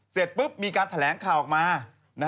เสร็จปุ๊บมีการแถลงข่าวออกมา